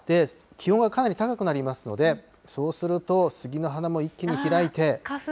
気温はかなり高くなりますので、そうするとスギの花も一気に開いて。